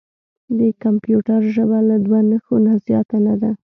د کمپیوټر ژبه له دوه نښو نه زیاته نه ده.